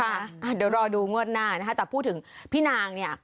เดี๋ยวรอดูงวดหน้านะคะแต่พูดถึงพี่นางเนี่ย